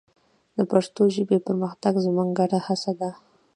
د پښتو ژبې پرمختګ زموږ ګډه هڅه ده.